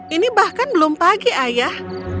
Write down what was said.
ini bahkan belum pagi ayah